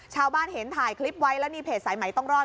ชาวบ้านเห็นถ่ายคลิปไว้แล้วนี่เพจสายใหม่ต้องรอด